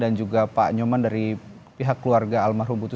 dan juga pak nyoman dari pihak keluarga almarhum putu